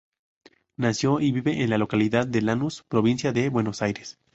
Nació y vive en la localidad de Lanús, provincia de Buenos Aires.